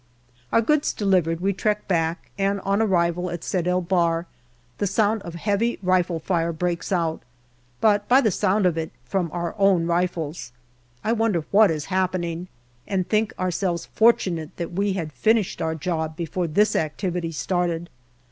Our goods delivered, we trek back, and on arrival at Sed el Bahr the sound of heavy rifle fire breaks out, but by the sound it is from our own rifles. We wonder what is happening, and think ourselves fortunate that we had finished our job before this activity started.